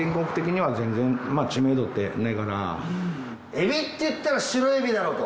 エビっていったらシロエビだろうと。